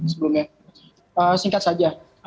sebelumnya singkat saja